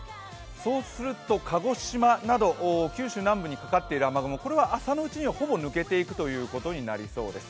そうすると、鹿児島など九州南部にかかっている雨雲、朝のうちにほぼ抜けていくということになりそうです。